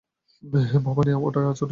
ভবানি, ওটা ছুরি ছিল না।